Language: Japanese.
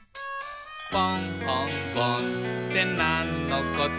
「ぽんほんぼんってなんのこと？」